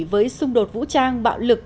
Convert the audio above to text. với xung đột vũ trang bạo lực